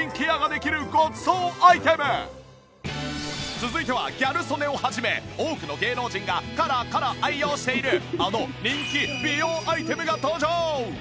続いてはギャル曽根を始め多くの芸能人がコロコロ愛用しているあの人気美容アイテムが登場！